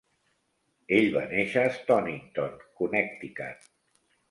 Ell va néixer a Stonington, Connecticut.